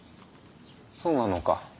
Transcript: そうなのか。